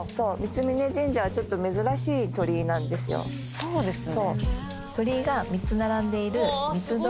そうですね。